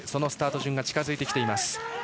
スタート順が近づいてきています。